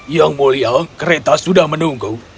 yang mulia kereta sudah menunggu